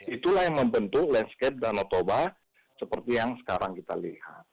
itulah yang membentuk landscape danau toba seperti yang sekarang kita lihat